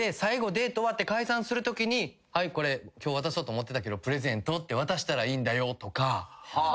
デート終わって解散するときに「はいこれ今日渡そうと思ってたけどプレゼント」って渡したらいいんだよとか。